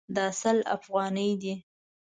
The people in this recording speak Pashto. دا سل افغانۍ دي